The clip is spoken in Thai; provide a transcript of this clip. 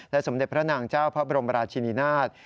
สมเด็จพระนางเจ้าพระบรมราชินินาศ